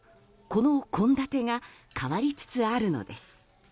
この献立が変わりつつあるのです。